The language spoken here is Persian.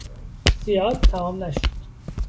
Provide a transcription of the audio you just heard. زیاد تمام نشد.